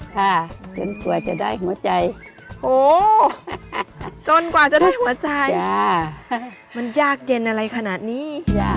จนกว่าจะได้หัวใจโหจนกว่าจะได้หัวใจมันยากเย็นอะไรขนาดนี้